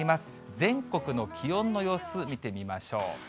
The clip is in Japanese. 全国の気温の様子、見てみましょう。